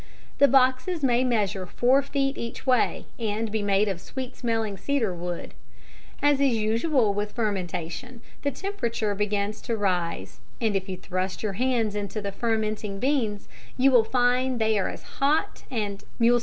The boxes may measure four feet each way and be made of sweet smelling cedar wood. As is usual with fermentation, the temperature begins to rise, and if you thrust your hands into the fermenting beans you find they are as hot and mucilaginous as a poultice.